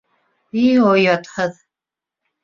— И оятһыҙ.